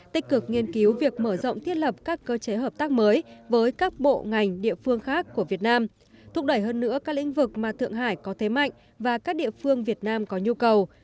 tích cực nghiên cứu việc mở rộng thiết lập các cơ chế hợp tác mới với các bộ ngành địa phương khác của việt nam thúc đẩy hơn nữa các lĩnh vực mà thượng hải có thế mạnh và các địa phương việt nam có nhu cầu